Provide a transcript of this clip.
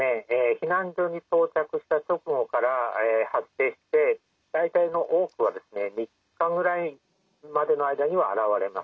避難所に到着した直後から発生して大体の多くは３日ぐらいまでの間には現れます。